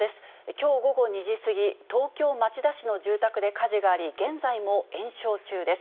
きょう午後２時過ぎ、東京・町田市の住宅で火事があり、現在も延焼中です。